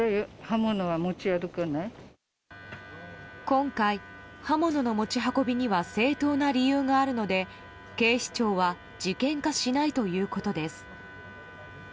今回、刃物の持ち運びには正当な理由があるので警視庁は事件化しないということです。